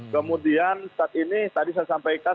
kemudian saat ini tadi saya sampaikan